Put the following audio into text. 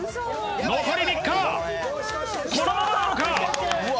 残り３日このままなのか？